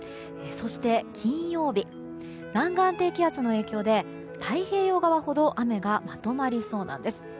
そして、金曜日南岸低気圧の影響で太平洋側ほど雨がまとまりそうなんです。